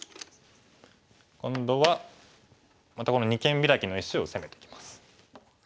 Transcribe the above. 今度はまたこの二間ビラキの石を攻めてきます。